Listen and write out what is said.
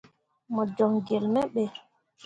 Mo joŋ gelle me ɓe.